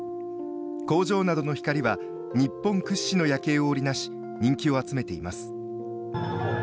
工場などの光は日本屈指の夜景を織り成し人気を集めています。